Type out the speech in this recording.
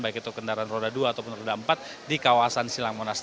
baik itu kendaraan roda dua atau roda empat di kawasan silangmonas